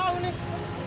di mana ada keributan